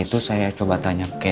mau jalan cepetan nih adik ya